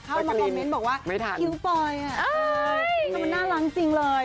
เข้ามาคอมเมนต์บอกว่าคิ้วปลอยมันน่ารักจริงเลย